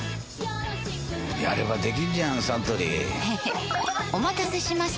やればできんじゃんサントリーへへっお待たせしました！